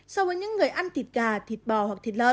so với những người ăn thịt gà thịt bò hoặc thịt lợn